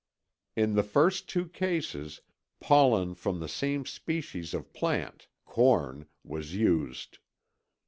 In the first two cases pollen from the same species of plant (corn) was used.